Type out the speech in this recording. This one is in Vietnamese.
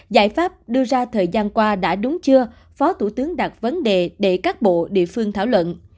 giải pháp đưa ra thời gian qua đã đúng chưa phó thủ tướng đặt vấn đề để các bộ địa phương thảo luận